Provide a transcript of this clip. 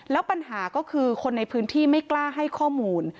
แล้วปัญหาก็คือคนในพื้นที่ไม่กล้าให้ข้อมูล